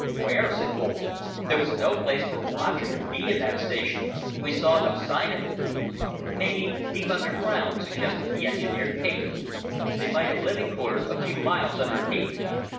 "Where?" said Boulton. "There was no place for a watcher to be in that station. We saw no sign of it." "Maybe deep underground?" suggested the engineer, Caton. "They might have living quarters a few miles underneath."